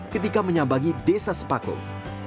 ketika menyambangi desa sepakung